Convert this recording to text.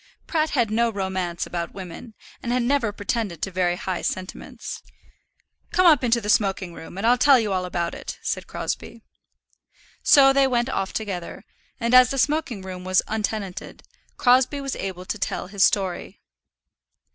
Pratt had no romance about women, and had never pretended to very high sentiments. "Come up into the smoking room and I'll tell you all about it," said Crosbie. So they went off together, and, as the smoking room was untenanted, Crosbie was able to tell his story.